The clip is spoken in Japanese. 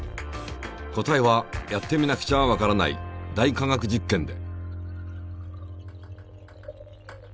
答えはやってみなくちゃわからない「大科学実験」で。